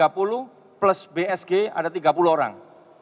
satu ratus tiga puluh plus bsg ada tiga puluh orang